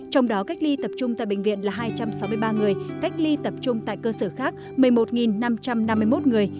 trong đó cách ly tập trung tại bệnh viện là hai trăm sáu mươi ba người cách ly tập trung tại cơ sở khác một mươi một năm trăm năm mươi một người